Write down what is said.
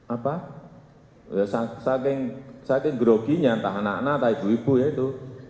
apa saking groginya entah anak anak entah ibu ibu ya itu